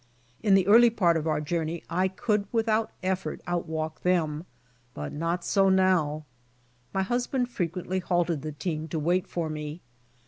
In the early part of our journey, I could without effort out walk them, but not so now. My husband frequently halted the team to wait for me.